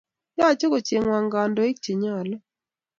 Yache kochangwan kandoik che nyalu